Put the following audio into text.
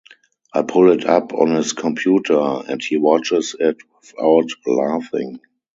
I pull it up on his computer and he watches it without laughing.